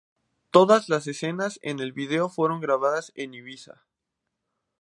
Todas las escenas en el video fueron grabadas en Ibiza.